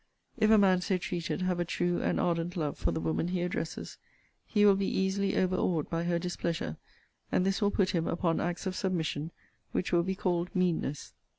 If a man so treated have a true and ardent love for the woman he addresses, he will be easily overawed by her displeasure: and this will put him upon acts of submission, which will be called meanness.